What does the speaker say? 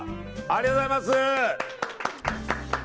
ありがとうございます！